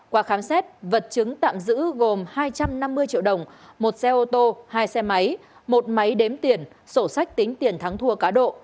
qua khám xét vật chứng tạm giữ gồm hai trăm năm mươi triệu đồng một xe ô tô hai xe máy một máy đếm tiền sổ sách tính tiền thắng thua cá độ